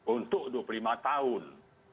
untuk dua puluh lima tahun